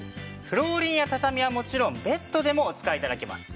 フローリングや畳はもちろんベッドでもお使い頂けます。